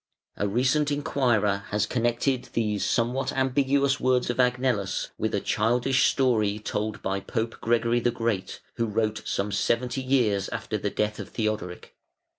A recent enquirer has connected these somewhat ambiguous words of Agnellus with a childish story told by Pope Gregory the Great, who wrote some seventy years after the death of Theodoric.